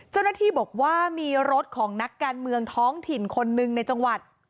เจ้าหน้าที่บอกว่ามีรถของนักการเมืองท้องถิ่นคนหนึ่งในจังหวัด